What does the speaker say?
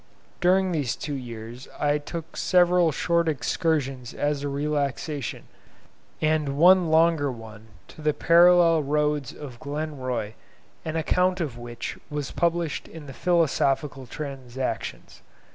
During these two years I took several short excursions as a relaxation, and one longer one to the Parallel Roads of Glen Roy, an account of which was published in the 'Philosophical Transactions.